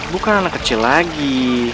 bukan anak kecil lagi